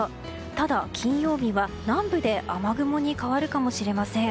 ただ、金曜日は南部で雨雲に変わるかもしれません。